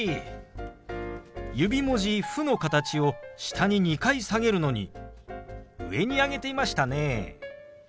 指文字「フ」の形を下に２回下げるのに上に上げていましたね。